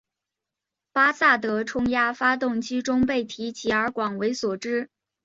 巴萨德冲压发动机中被提及而广为所知。